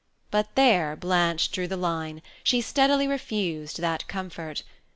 But there Blanche drew her line, she steadily refused that comfort.